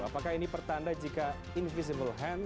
apakah ini pertanda jika invisible hand